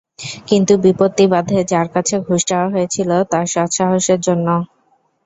কিন্তু বিপত্তি বাধে যাঁর কাছে ঘুষ চাওয়া হয়েছিল তাঁর সৎসাহসের জন্য।